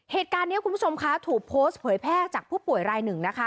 เหตุการณ์นี้คุณผู้ชมคะถูกโพสต์เผยแพร่จากผู้ป่วยรายหนึ่งนะคะ